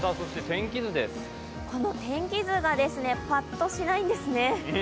この天気図がぱっとしないんですね。